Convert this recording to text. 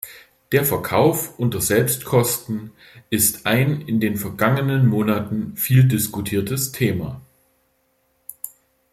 Der Verkauf unter Selbstkosten ist ein in den vergangenen Monaten viel diskutiertes Thema.